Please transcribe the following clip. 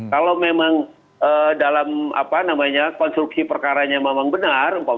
kalau memang dalam konstruksi perkara yang memang benar